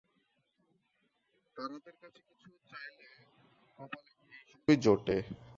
তারাদের কাছে কিছু চাইলে কপালে এইসবই জোটে।